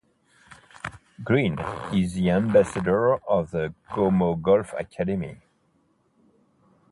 Green is the ambassador for the Como Golf academy.